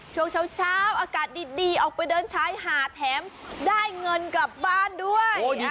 ช่วงเช้าอากาศดีออกไปเดินชายหาดแถมได้เงินกลับบ้านด้วย